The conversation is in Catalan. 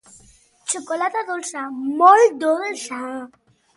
Xocolata dolça, molt dolça.